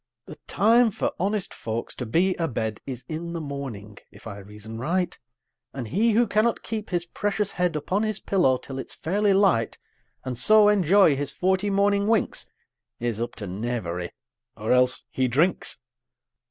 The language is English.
The time for honest folks to be a bed Is in the morning, if I reason right; And he who cannot keep his precious head Upon his pillow till it's fairly light, And so enjoy his forty morning winks, Is up to knavery; or else he drinks!